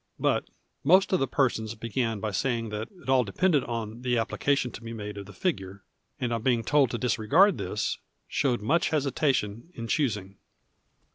But " most of the persons began by saying that it all depended on the application to be made of the figure, and on being told to disregard this, showed much hesitation in choosing."